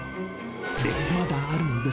まだあるんです。